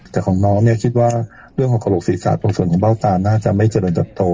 แต่ของน้องเนี่ยคิดว่าเรื่องของโคโรตศีรษะที่แบบตามน่าจะไม่จริงจะโต